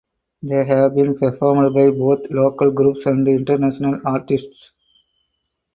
They have been performed by both local groups and international artists.